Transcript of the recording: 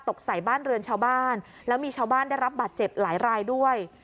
ตกใส่บ้านเรือนชาวบ้านแล้วมีชาวบ้านได้รับบาดเจ็บหลายรายด้วย